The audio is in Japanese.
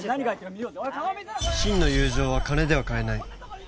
「真の友情は金では買えない」。